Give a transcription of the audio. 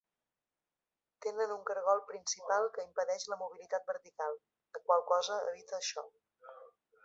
Tenen un cargol principal que impedeix la mobilitat vertical, la qual cosa evita això.